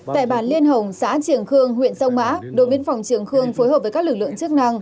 tại bản liên hồng xã triều khương huyện sông mã đồn biên phòng triều khương phối hợp với các lực lượng chức năng